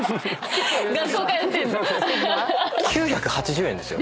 ９８０円ですよ？